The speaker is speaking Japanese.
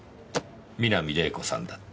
南れい子さんだった。